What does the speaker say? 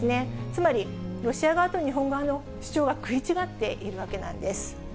つまり、ロシア側と日本側の主張が食い違っているわけなんです。